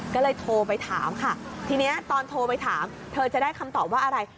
ก็เลยโทรไปถามค่ะทีนี้ตอนโทรไปถามเธอจะได้คำตอบว่าอะไร